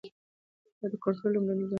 دا د کنټرول لومړنی ګام وي.